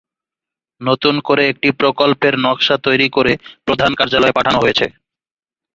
নতুন করে একটি প্রকল্পের নকশা তৈরি করে প্রধান কার্যালয়ে পাঠানো হয়েছে।